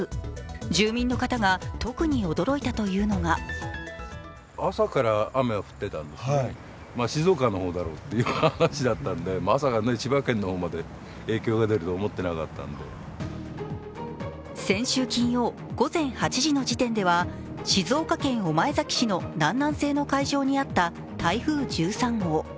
住民の方が特に驚いたというのが先週金曜午前８時の時点では静岡県御前崎市の南南西の海上にあった台風１３号。